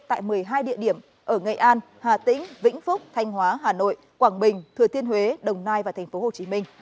tại một mươi hai địa điểm ở nghệ an hà tĩnh vĩnh phúc thanh hóa hà nội quảng bình thừa thiên huế đồng nai và tp hcm